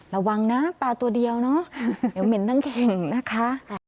ระวังนะปลาตัวเดียวเนอะเดี๋ยวเหม็นทั้งเข่งนะคะ